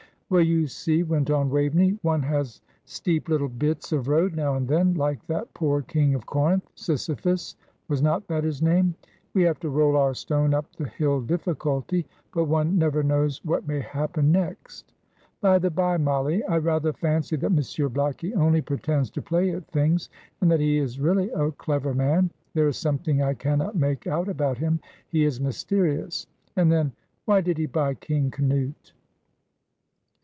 "Well, you see," went on Waveney, "one has steep little bits of road now and then, like that poor King of Corinth Sisyphus was not that his name? We have to roll our stone up the hill Difficulty; but one never knows what may happen next. By the bye, Mollie, I rather fancy that Monsieur Blackie only pretends to play at things, and that he is really a clever man. There is something I cannot make out about him. He is mysterious. And then, why did he buy 'King Canute'?"